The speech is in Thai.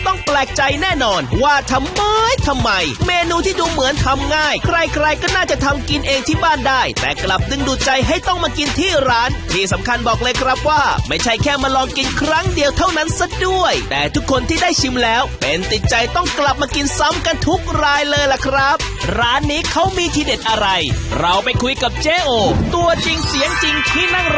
แปลกใจแน่นอนว่าทำไมทำไมเมนูที่ดูเหมือนทำง่ายใครใครก็น่าจะทำกินเองที่บ้านได้แต่กลับดึงดูดใจให้ต้องมากินที่ร้านที่สำคัญบอกเลยครับว่าไม่ใช่แค่มาลองกินครั้งเดียวเท่านั้นซะด้วยแต่ทุกคนที่ได้ชิมแล้วเป็นติดใจต้องกลับมากินซ้ำกันทุกรายเลยล่ะครับร้านนี้เขามีที่เด็ดอะไรเราไปคุยกับเจ๊โอตัวจริงเสียงจริงที่นั่ง